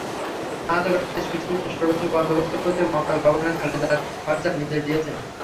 আহত ব্যক্তিদের সুচিকিৎসার সর্বোচ্চ বন্দোবস্ত করতে মক্কার গভর্নর খালেদ আল-ফয়সাল নির্দেশ দিয়েছেন।